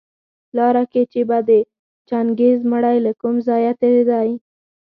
لاره کي چي به د چنګېز مړى له کوم ځايه تېرېدى